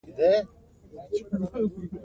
افغانستان د نورستان له پلوه متنوع دی.